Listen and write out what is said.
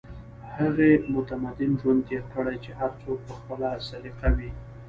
هغې متمدن ژوند تېر کړی چې هر څوک په خپله سليقه وي